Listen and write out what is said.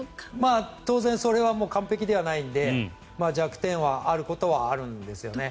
当然、それは完璧ではないので弱点はあることはあるんですよね。